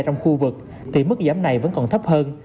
trong khu vực thì mức giảm này vẫn còn thấp hơn